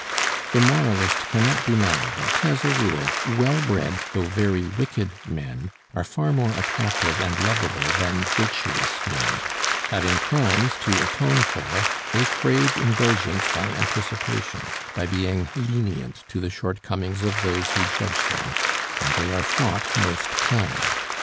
The moralist cannot deny that, as a rule, well bred though very wicked men are far more attractive and lovable than virtuous men; having crimes to atone for, they crave indulgence by anticipation, by being lenient to the shortcomings of those who judge them, and they are thought most kind.